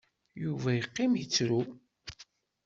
Yuba iqqim ittru.